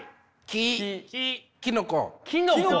きのこ！？